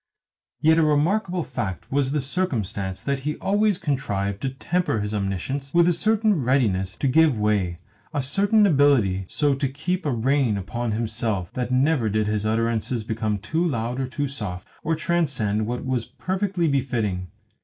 Yet a remarkable fact was the circumstance that he always contrived to temper his omniscience with a certain readiness to give way, a certain ability so to keep a rein upon himself that never did his utterances become too loud or too soft, or transcend what was perfectly befitting.